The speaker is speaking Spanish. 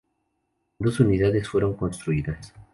Dos unidades fueron construidas.